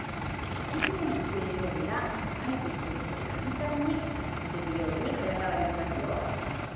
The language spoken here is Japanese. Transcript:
いつもの家庭料理がスパイス１つで簡単に多国籍料理に早変わりしますよ。